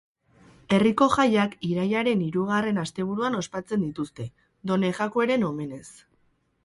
Herriko jaiak irailaren hirugarren asteburuan ospatzen dituzte, Done Jakueren omenez.